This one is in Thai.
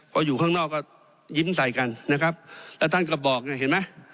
พออยู่ข้างนอกก็ยิ้มใส่กันนะครับแล้วท่านก็บอกไงเห็นไหม